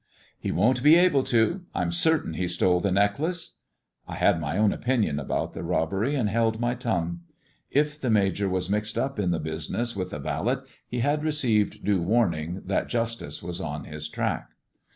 " He won't be able to. I'm certain he stole the necklace." I had my own opinion about the robbery, and held my tongue. If the Major was mixed up in the business with the valet, he had received due warning that justice was on his track.